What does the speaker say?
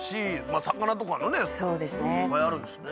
魚とかのねいっぱいあるんですね。